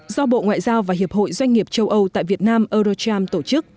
do bộ ngoại giao và hiệp hội doanh nghiệp châu âu tại việt nam eurocharm tổ chức